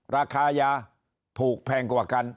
ราคายาถูกแพงกว่ากัน